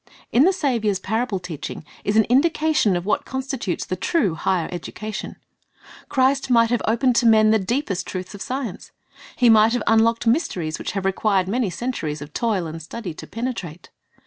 ' In the Saviour's parable teaching is an indication of what constitutes the true "higher education." Christ might have opened to men the deepest truths of science. He might have unlocked mysteries which have required many centuries of toil and study to penetrate.